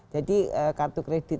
jadi kartu kredit